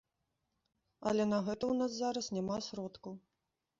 Але на гэта ў нас зараз няма сродкаў.